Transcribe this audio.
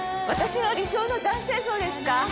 私の理想の男性像ですか？